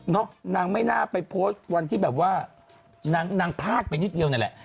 นางไม่น่าไปโพสต์วันที่แบบว่านางพลากไปนิดเดียวนั่นแหละ